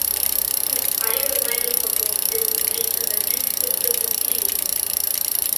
Das Freie Gemeindekonsortium liegt an der Südspitze Siziliens.